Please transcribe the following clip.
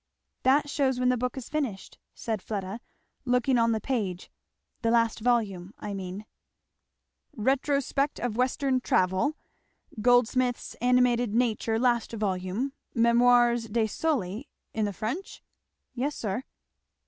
"That shews when the book is finished," said Fleda, looking on the page, "the last volume, I mean." "'Retrospect of Western Travel' 'Goldsmith's A. N., last vol.' 'Memoirs de Sully' in the French?" "Yes sir."